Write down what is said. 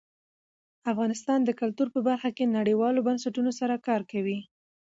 افغانستان د کلتور په برخه کې نړیوالو بنسټونو سره کار کوي.